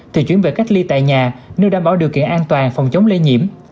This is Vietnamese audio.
thì chuyển về cách ly tại nhà nơi đảm bảo điều kiện an toàn phòng chống lây nhiễm